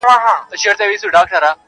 بس د رڼا په تمه ژوند کوي رڼا نه لري-